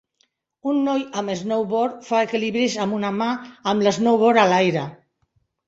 Un noi amb snowboard fa equilibris amb una mà amb l'snowboard a l'aire.